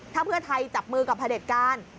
ถ้าเพื่อไทยจับมือกับพระเด็จการ